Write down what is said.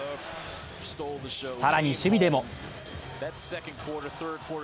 更に守備でも。